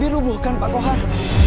dirubuhkan pak kawar